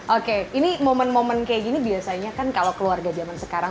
oke ini momen momen kayak gini biasanya kan kalau keluarga zaman sekarang